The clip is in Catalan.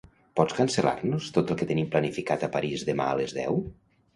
Pots cancel·lar-nos tot el que tenim planificat a París demà a les deu?